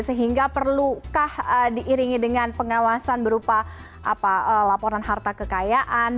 sehingga perlukah diiringi dengan pengawasan berupa laporan harta kekayaan